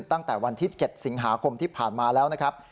ตั้งแต่วันที่๗สิงหาคมที่ผ่านมาแล้วนะครับ